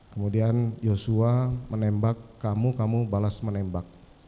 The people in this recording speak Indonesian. kemudian yosua menembak kamu kamu balas menembak